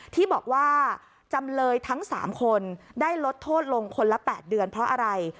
ที่บอกว่าจำเลยทั้ง๓คนได้ลดโทษลงคนละ๘เดือนเพราะอะไร